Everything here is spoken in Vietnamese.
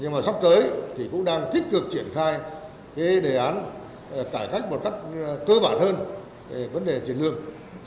nhưng mà sắp tới thì cũng đang tích cực triển khai đề án cải cách một cách cơ bản hơn về vấn đề tiền lương